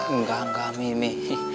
enggak enggak mi